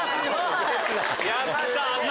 やった！